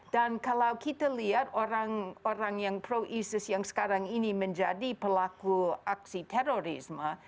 dan kalau kita lihat orang orang yang pro isis yang sekarang ini menjadi pelaku aksi terorisme